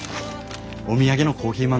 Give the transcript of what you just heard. お土産のコーヒー豆。